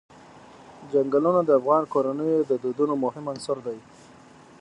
چنګلونه د افغان کورنیو د دودونو مهم عنصر دی.